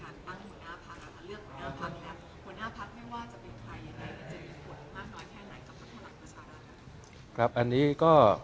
สถิบัติเองจะมีคำตั้งที่ผู้หน้าพลังอาฆาตเลือกผู้หน้าพลักษณ์นะครับ